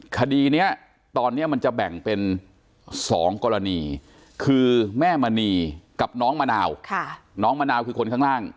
คดีเนี่ยตอนนี้มันจะแบ่งเป็น๒กรณีคือแม่มณีกับน้องมะนาวค่ะ